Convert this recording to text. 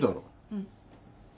うん。